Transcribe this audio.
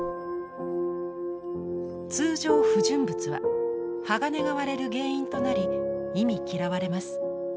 通常不純物は鋼が割れる原因となり忌み嫌われます。